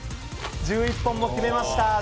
１１本も決めました。